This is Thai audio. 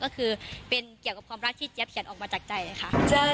ก็คือเป็นเกี่ยวกับความรักที่เจี๊ยบเขียนออกมาจากใจค่ะ